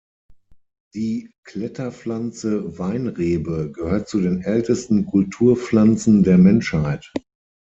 Die Kletterpflanze Weinrebe gehört zu den ältesten Kulturpflanzen der Menschheit.